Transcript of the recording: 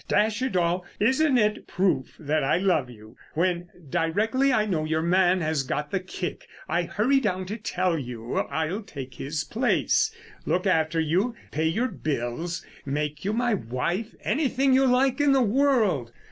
Dash it all, isn't it proof that I love you, when, directly I know your man has got the kick, I hurry down to tell you I'll take his place—look after you, pay your bills—make you my wife, anything you like in the world!